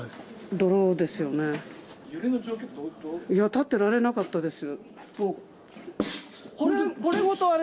立ってられなかったです。